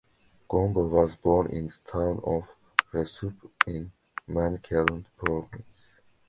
Gomba was born in the town of Rusape in Manicaland Province.